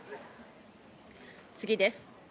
次です。